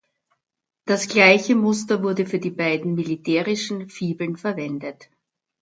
Das gleiche Muster wurde für die beiden militärischen „Fibeln“ verwendet.